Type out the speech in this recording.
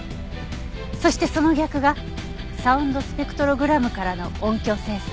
そしてその逆がサウンドスペクトログラムからの音響生成。